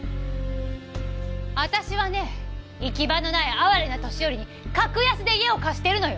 私はね行き場のない哀れな年寄りに格安で家を貸してるのよ！